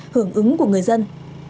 hưởng ứng của người dân